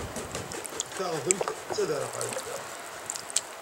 Taɣdemt d taderɣalt.